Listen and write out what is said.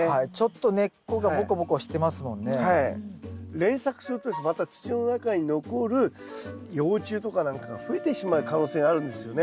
連作するとまた土の中に残る幼虫とか何かが増えてしまう可能性があるんですよね。